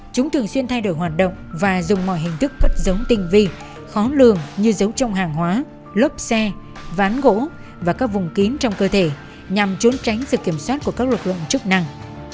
chúng thường xuyên thay đổi hoạt động và dùng mọi hình thức cất giống tinh vi khó lường như giấu trong hàng hóa lốp xe ván gỗ và các vùng kín trong cơ thể nhằm trốn tránh sự kiểm soát của các lực lượng chức năng